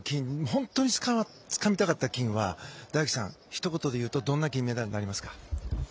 本当につかみたかった金は大輝さんひと言でいうとどんな金ですか。